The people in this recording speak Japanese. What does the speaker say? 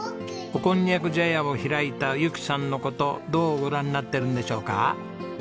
おこんにゃく茶屋を開いた由紀さんの事どうご覧になってるんでしょうか？